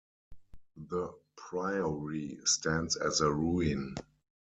The priory stands as a ruin.